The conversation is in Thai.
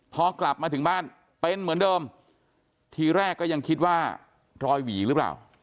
พอกลับมาถึงบ้านเป็นเหมือนเดิมทีแรกก็ยังคิดว่ารอยหวีหรือเปล่า